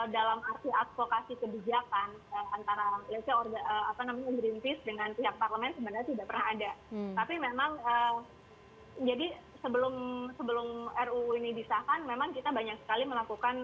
dalam arti advokasi kebijakan antara greenpeace dengan pihak parlemen sebenarnya tidak pernah ada